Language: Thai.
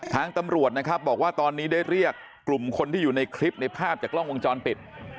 ทางตำรวจนะครับบอกว่าตอนนี้ได้เรียกกลุ่มคนที่อยู่ในคลิปในภาพจากกล้องวงจรปิด